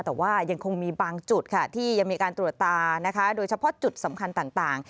แต่ว่ายังคงมีบางจุดค่ะที่ยังมีการตรวจตานะคะโดยเฉพาะจุดสำคัญต่าง